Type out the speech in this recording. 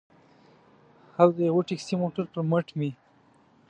او د یوه ټکسي موټر پر مټ مې.